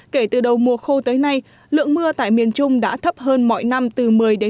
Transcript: kể từ đầu mùa khô tới nay lượng mưa tại miền trung đã thấp hơn mọi năm từ một mươi một mươi năm